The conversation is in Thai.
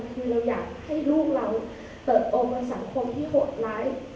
คือเราอยากให้ลูกเราเติบโตในสังคมที่โหดร้าย